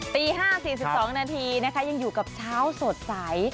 ตี๕๔๒นาทีนะคะยังอยู่กับเช้าสดใส